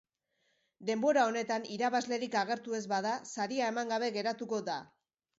Denbora honetan irabazlerik agertu ez bada, saria eman gabe geratuko da.